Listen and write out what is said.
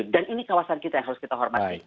dan ini kawasan kita yang harus kita hormati